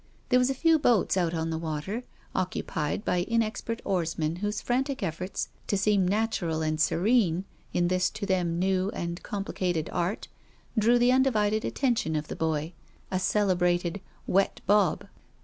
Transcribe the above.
There were a few boats out on the water, occupied by inexpert oarsmen whose frantic efforts to seem natural and serene in this to them new and complicated art drew the undivided at tention of the boy, a celebrated " wet Bob."